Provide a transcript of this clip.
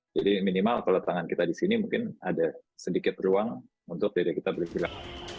jadi minimal kalau tangan kita di sini mungkin ada sedikit ruang untuk dada kita bergerak